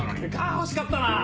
惜しかったなぁ！